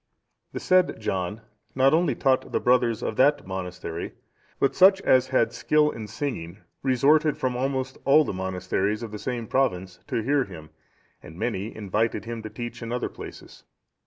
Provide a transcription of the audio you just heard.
The said John not only taught the brothers of that monastery, but such as had skill in singing resorted from almost all the monasteries of the same province to hear him, and many invited him to teach in other places.